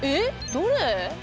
どれ？